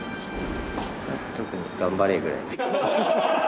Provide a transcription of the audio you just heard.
特に頑張れぐらい。